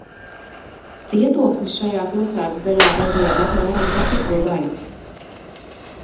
Cietoksnis šajā pilsētas daļā aizņēma apmēram ceturto daļu.